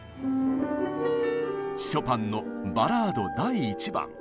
ショパンの「バラード第１番」。